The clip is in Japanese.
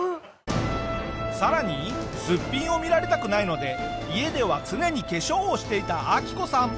さらにすっぴんを見られたくないので家では常に化粧をしていたアキコさん。